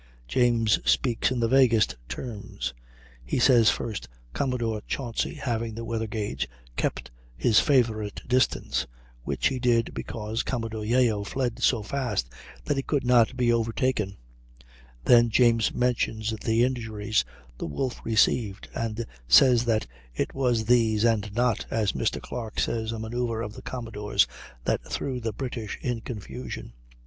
James speaks in the vaguest terms. He first says, "Commodore Chauncy, having the weather gage, kept his favorite distance," which he did because Commodore Yeo fled so fast that he could not be overtaken; then James mentions the injuries the Wolfe received, and says that "it was these and not, as Mr. Clark says, 'a manoeuvre of the commodore's' that threw the British in confusion."